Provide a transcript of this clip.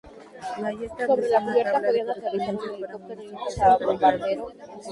La ley establece una tabla de correspondencias para municipios de hasta habitantes.